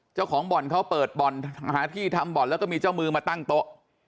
เจ้าของบ่อนเขาเปิดบ่อนหาที่ทำบ่อนแล้วก็มีเจ้ามือมาตั้งโต๊ะ